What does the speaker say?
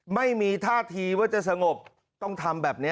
ไม่มีท่าทีว่าจะสงบต้องทำแบบนี้